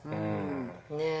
ねえ。